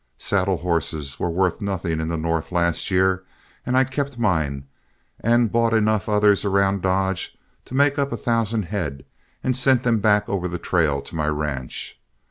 Saddle horses were worth nothing in the North last year, and I kept mine and bought enough others around Dodge to make up a thousand head, and sent them back over the trail to my ranch.